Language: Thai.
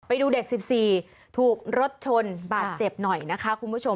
ไปดูเด็ก๑๔ถูกรถชนบาดเจ็บหน่อยนะคะคุณผู้ชม